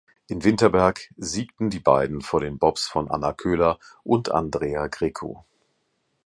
In Winterberg siegten die beiden vor den Bobs von Anna Köhler und Andreea Grecu.